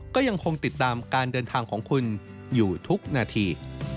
ก็ยังคงติดตามการเดินทางของคุณอยู่ทุกนาที